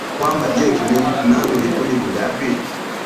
kwamba je tunavyo vikundi vingapi